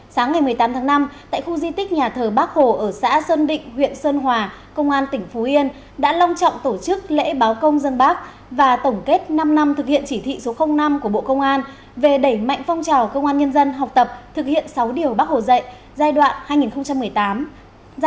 sáng ngày một mươi tám tháng năm tại khu di tích nhà thờ bác hồ ở xã sơn định huyện sơn hòa công an tỉnh phú yên đã long trọng tổ chức lễ báo công dân bác và tổng kết năm năm thực hiện chỉ thị số năm của bộ công an về đẩy mạnh phong trào công an nhân dân học tập thực hiện sáu điều bác hồ dạy giai đoạn hai nghìn một mươi tám